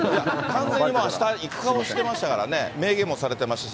完全にあした、行く顔してましたからね、明言もされてましたし。